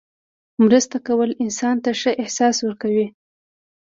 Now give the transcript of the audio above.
مرسته کول انسان ته ښه احساس ورکوي.